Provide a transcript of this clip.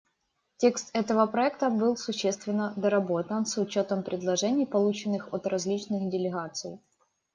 Текст этого проекта был существенно доработан с учетом предложений, полученных от различных делегаций.